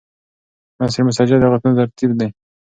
نثر مسجع د لغتونو ترتیب لري.